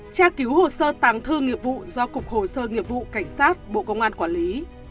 tra cứu hồ sơ tàng thư nghiệp vụ do cục hồ sơ nghiệp vụ cảnh sát bộ công an quản lý